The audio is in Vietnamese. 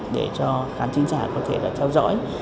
để cho khán giả có thể theo dõi